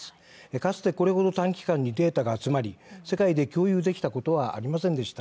かつてこんな短期間にデータが集まり、世界で共有できたことはありませんでした。